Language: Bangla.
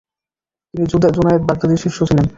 তিনি জুনায়েদ বাগদাদীর শিষ্য ছিলেন।